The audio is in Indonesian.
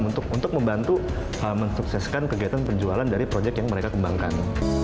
untuk membantu mensukseskan kegiatan penjualan dari proyek yang mereka kembangkan